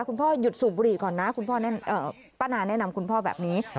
คุณพ่อหยุดสูบบุหรี่ก่อนนะคุณพ่อป้านาแนะนำคุณพ่อแบบนี้